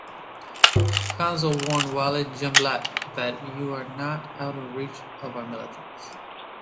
Qanso warned Walid Jumblat that "you are not out of reach of our militants".